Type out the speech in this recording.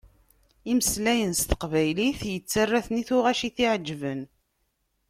Imeslayen s teqbaylit yettarra-ten i tuγac i t-iεjeben.